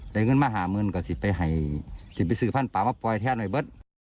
อะไรเงินมาหาเมืองก็สิไปซื้อพันธุ์ปลามับปล่อยแท้ฝันให้เบิ๊ด